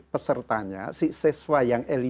pesertanya si sesuai dengan nilai yang terbaik